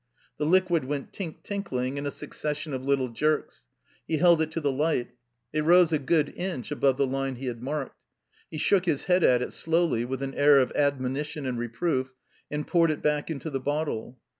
The liquid went tink tinkling in a succession of little jerks. He held it to the light ; it rose a good inch above the line he had marked. He shook his head at it slowly, with an air of admonition and reproof, and potired it back into the bottle.